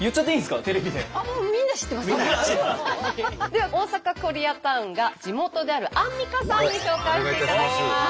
では大阪コリアタウンが地元であるアンミカさんに紹介していただきます！